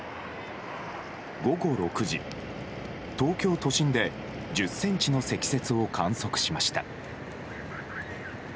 午後６時、東京都心で１０ｃｍの積雪を観測しました。